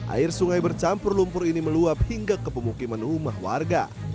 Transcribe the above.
air sungai bercampur lumpur ini meluap hingga ke pemukiman rumah warga